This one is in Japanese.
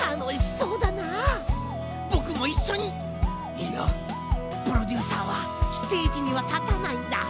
いやプロデューサーはステージにはたたないんだ。